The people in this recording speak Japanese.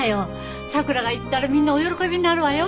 さくらが行ったらみんなお喜びになるわよ。